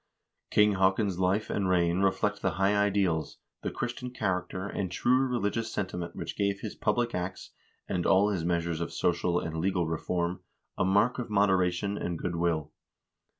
King Haakon's life and reign reflect the high ideals, the Christian character, and true religious sentiment which gave his public acts, and all his measures of social and legal reform a mark of moderation and good will.